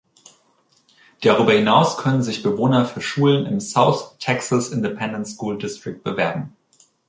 Darüber hinaus können sich Bewohner für Schulen im "South Texas Independent School District" bewerben.